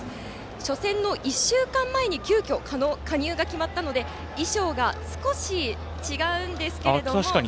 初戦の１週間前に急きょ加入が決まったので衣装が少し違うんですけれども。